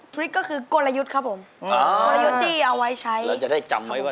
ทริคคืออะไรล่ะครับ